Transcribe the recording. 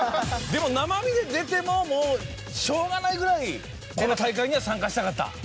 でも生身で出てももうしょうがないぐらいこの大会には参加したかった？